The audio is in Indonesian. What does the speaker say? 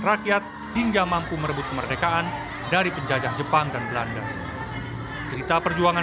rakyat hingga mampu merebut kemerdekaan dari penjajah jepang dan belanda cerita perjuangan